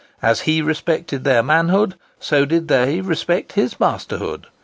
As he respected their manhood, so did they respect his masterhood.